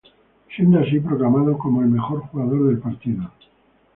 Siendo así, proclamado como el mejor jugador del partido.